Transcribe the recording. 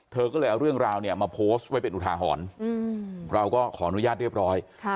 เธอก็เลยเอาเรื่องราวเนี่ยมาโพสต์ไว้เป็นอุทาหรณ์เราก็ขออนุญาตเรียบร้อย